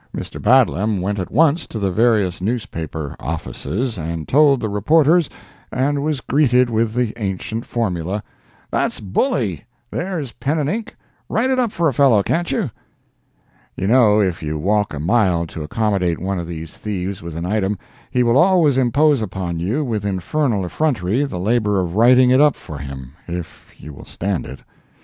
Mr. Badlam went at once to the various newspaper offices and told the reporters, and was greeted with the ancient formula: "That's bully—there's pen and ink, write it up for a fellow, can't you?"—(you know if you walk a mile to accommodate one of these thieves with an item, he will always impose upon you, with infernal effrontery, the labor of writing it up for him, if you will stand it). Mr.